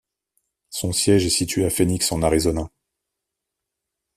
Son siège est situé à Phoenix en Arizona.